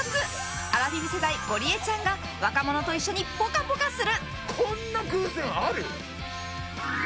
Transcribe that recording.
アラフィフ世代、ゴリエちゃんが若者と一緒にぽかぽかする！